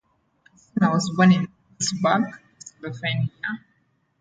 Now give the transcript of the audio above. Fusina was born in Pittsburgh, Pennsylvania.